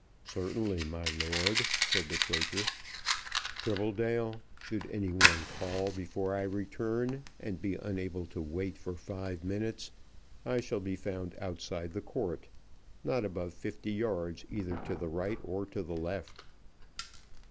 "Certainly, my lord," said the Quaker. "Tribbledale, should any one call before I return, and be unable to wait for five minutes, I shall be found outside the court, not above fifty yards either to the right or to the left."